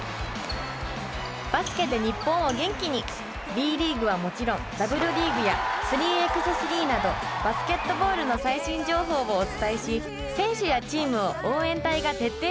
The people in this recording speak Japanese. ＢリーグはもちろんＷリーグや３×３などバスケットボールの最新情報をお伝えし選手やチームを応援隊が徹底取材。